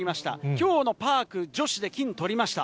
きょうのパーク女子で金とりました。